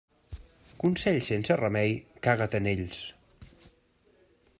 Consells sense remei, caga't en ells.